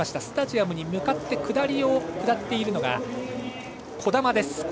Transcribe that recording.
スタジアムに向かって下りを下っているのが児玉です。